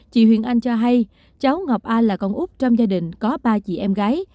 chị huyền anh cho hay cháu ngọc a là con úc trong gia đình có ba chị em gái